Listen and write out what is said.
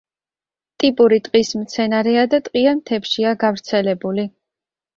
ტიპური ტყის მცენარეა და ტყიან მთებშია გავრცელებული.